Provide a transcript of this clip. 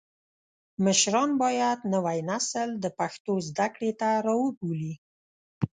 مشران باید نوی نسل د پښتو زده کړې ته راوبولي.